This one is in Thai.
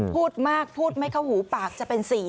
พูดมากพูดไม่เข้าหูปากจะเป็นสี